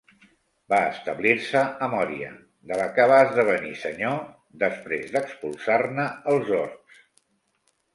Va establir-se a Mòria, de la que va esdevenir Senyor, després d'expulsar-ne els orcs.